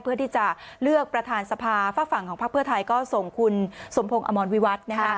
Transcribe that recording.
เพื่อที่จะเลือกประธานสภาฝากฝั่งของพักเพื่อไทยก็ส่งคุณสมพงศ์อมรวิวัฒน์